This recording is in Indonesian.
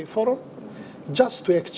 forum yang bergantung